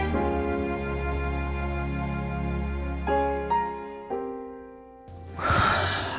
aida kamu gak boleh